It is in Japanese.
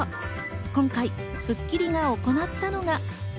今回『スッキリ』が行ったのが。